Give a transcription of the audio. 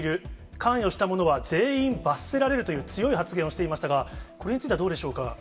関与したものは全員罰せられるという強い発言をしていましたが、これについてはどうでしょうか。